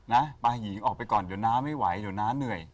นะปลาหินออกไปก่อนเดี๋ยวน้าไม่ไหวเดี๋ยวน้าเหนื่อย